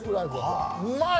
うまい！